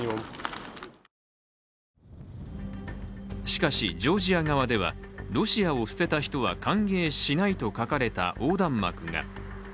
しかし、ジョージア側ではロシアを捨てた人は歓迎しないと書かれた横断幕が。